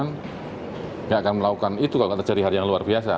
yang berpengalaman yang akan melakukan itu kalau terjadi hari yang luar biasa